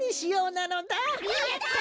やった！